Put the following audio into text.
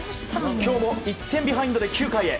今日も１点ビハインドで９回へ。